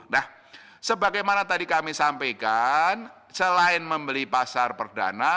nah sebagaimana tadi kami sampaikan selain membeli pasar perdana